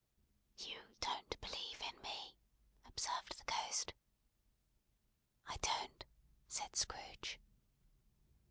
"You don't believe in me," observed the Ghost. "I don't," said Scrooge.